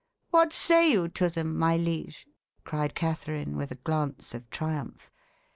"What say you to them, my liege?" cried Catherine, with a glance of triumph.